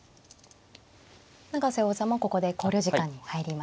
永瀬王座もここで考慮時間に入りました。